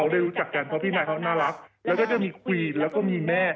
แล้วก็จะมีควีนแล้วก็มีแม่